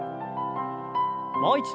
もう一度。